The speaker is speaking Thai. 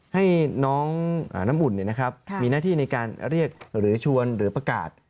ให้น้องน้ำอุ่นมีหน้าที่ในการเรียกหรือชวนหรือประกาศ